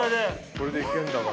これでいけるんだから。